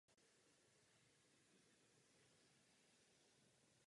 Po studiích v Praze se stal bankovním úředníkem.